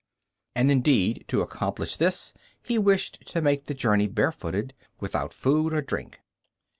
And indeed to accomplish this he wished to make the journey barefooted, without food or drink.